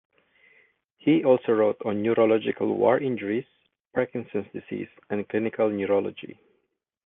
He also wrote on neurological war injuries, Parkinson's disease, and clinical neurology.